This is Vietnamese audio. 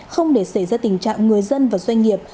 không để xảy ra tình trạng người dân và doanh nghiệp